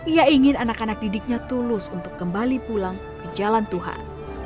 ia ingin anak anak didiknya tulus untuk kembali pulang ke jalan tuhan